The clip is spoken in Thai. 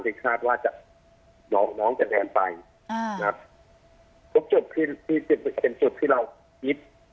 ที่คาดว่าจะน้องน้องจะแดนไปอฝ์ดทุกจุดเป็นจุดที่เราอิส